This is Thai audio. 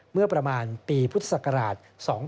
เมื่อประมาณปีพุทธศักราช๒๕๖